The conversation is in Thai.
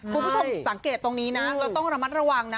คุณผู้ชมสังเกตตรงนี้นะเราต้องระมัดระวังนะ